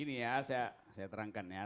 ini ya saya terangkan ya